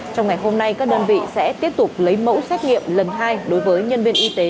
trong ngày hôm nay các đơn vị sẽ tiếp tục lấy mẫu xét nghiệm lần hai đối với nhân viên y tế